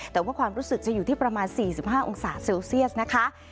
แต่ว่าความรู้สึกจะอยู่ที่ประมาณ๔๕องศาเซลเซียสนะคะ